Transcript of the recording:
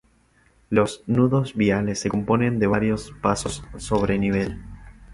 Los nudos viales se componen de varios pasos sobre nivel.